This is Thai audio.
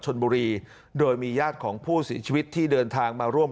ชนบุรีโดยมีญาติของผู้เสียชีวิตที่เดินทางมาร่วม